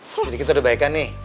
jadi kita udah baik baik nih